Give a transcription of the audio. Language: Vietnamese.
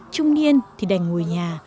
trung niên thì đành ngồi nhà